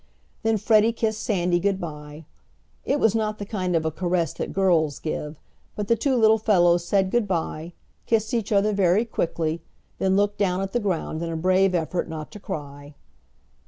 Then Freddie kissed Sandy good bye. It was not the kind of a caress that girls give, but the two little fellows said good bye, kissed each other very quickly, then looked down at the ground in a brave effort not to cry.